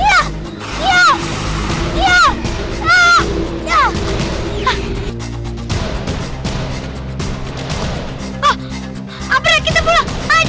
apriah kita pulang